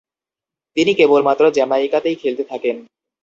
তিনি কেবলমাত্র জ্যামাইকাতেই খেলতে থাকেন।